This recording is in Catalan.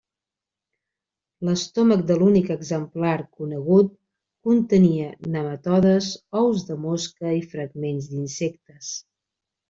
L'estómac de l'únic exemplar conegut contenia nematodes, ous de mosca i fragments d'insectes.